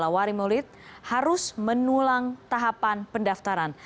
wali murid harus menulang tahapan pendaftaran